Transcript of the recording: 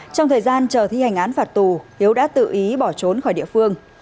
trong thời gian chờ thi hành án phạt tù hiếu đã tự ý bỏ trốn khỏi địa phương